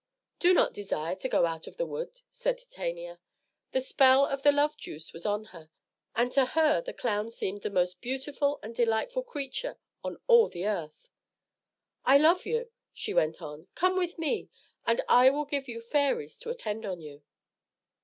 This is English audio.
"Do not desire to go out of the wood," said Titania. The spell of the love juice was on her, and to her the clown seemed the most beautiful and delightful creature on all the earth. "I love you," she went on. "Come with me, and I will give you fairies to attend on you."